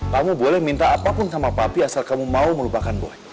kamu boleh minta apapun sama papi asal kamu mau melupakan buah